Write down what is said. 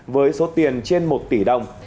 với số tiền trên một tỷ đồng